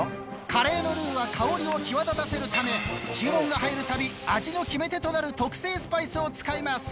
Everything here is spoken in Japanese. カレーのルウは香りを際立たせるため注文が入る度味の決め手となる特製スパイスを使います。